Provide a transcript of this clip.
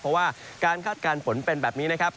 เพราะว่าการคาดการณ์ฝนเป็นแบบนี้นะครับ